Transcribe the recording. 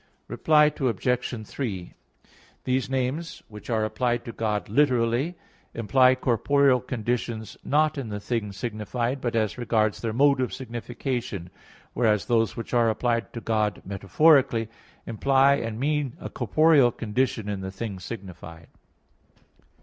Reply Obj. 3: These names which are applied to God literally imply corporeal conditions not in the thing signified, but as regards their mode of signification; whereas those which are applied to God metaphorically imply and mean a corporeal condition in the thing signified.